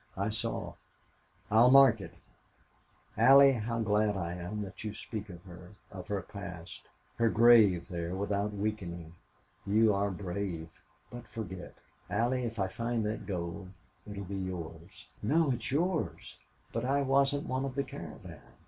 I saw. I will mark it.... Allie, how glad I am that you can speak of her of her past her grave there without weakening. You are brave! But forget... Allie, if I find that gold it'll be yours." "No. Yours." "But I wasn't one of the caravan.